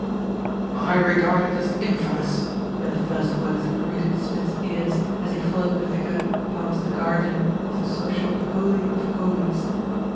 "I regard it as infamous!" were the first words that greeted Smith's ears as he followed the vicar past the guardian of the social holy of holies.